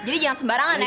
jadi jangan sembarangan ya